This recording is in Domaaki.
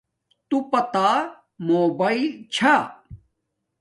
توپا تا موباݵل چھا